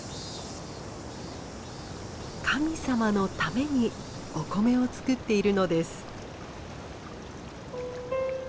神様のためにお米を作っているのです。